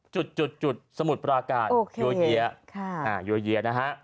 จุดจุดจุดสมุดประกาศโยเยียร์ค่ะอ่าโยเยียร์นะฮะ